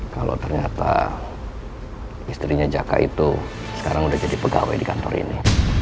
kalau ternyata istrinya jaka itu sekarang udah jadi pegawai di kantor ini